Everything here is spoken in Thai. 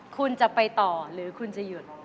คุณจะไปต่อหรือคุณจะหยุด